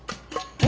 え？